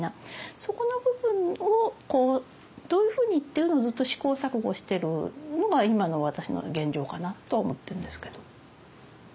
そこの部分をどういうふうにっていうのをずっと試行錯誤してるのが今の私の現状かなと思ってるんですけど。